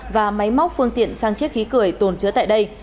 và máy móc phương tiện sang chiếc khí cười tồn chứa tại đây